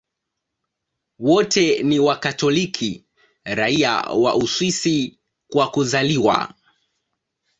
Wote ni Wakatoliki raia wa Uswisi kwa kuzaliwa.